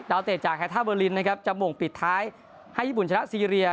เตะจากแฮท่าเบอร์ลินนะครับจะหม่งปิดท้ายให้ญี่ปุ่นชนะซีเรีย